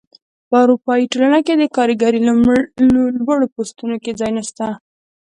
په اروپايي ټولنه کې د کارګرۍ لوړو پوستونو کې ځای نشته.